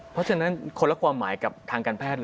เพราะฉะนั้นคนละความหมายกับทางการแพทย์